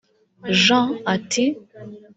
Jean ati